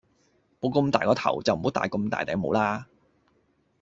冇咁大個頭就唔好帶咁大頂帽啦